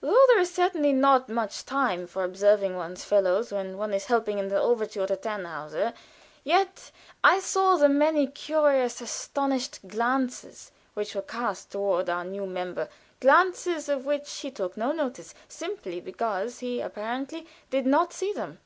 Though there is certainly not much time for observing one's fellows when one is helping in the overture to "Tannhauser," yet I saw the many curious and astonished glances which were cast toward our new member, glances of which he took no notice, simply because he apparently did not see them.